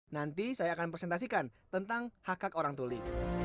nanti saya akan presentasikan tentang hak hak orang tuli